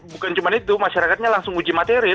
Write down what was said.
bukan cuma itu masyarakatnya langsung uji materi